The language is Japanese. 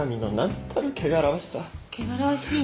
汚らわしいの？